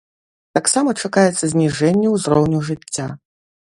Таксама чакаецца зніжэнне ўзроўню жыцця.